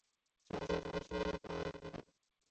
行政中心位于安纳波利斯罗亚尔。